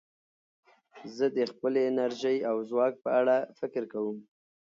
زه د خپلې انرژۍ او ځواک په اړه فکر کوم.